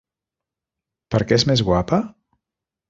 Perquè és més guapa?